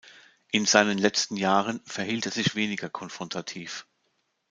In seinen letzten Jahren verhielt er sich weniger konfrontativ.